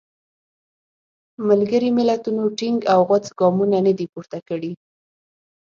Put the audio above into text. ملګري ملتونو ټینګ او غوڅ ګامونه نه دي پورته کړي.